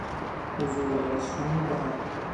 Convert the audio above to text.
حضور داشتن در